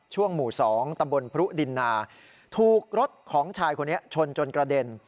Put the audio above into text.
หมู่๒ตำบลพรุดินนาถูกรถของชายคนนี้ชนจนกระเด็น